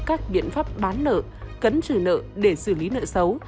các biện pháp bán nợ cấn trừ nợ để xử lý nợ xấu